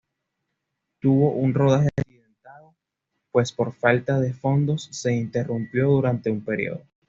Tuvo un rodaje accidentado pues por falta de fondos se interrumpió durante un período.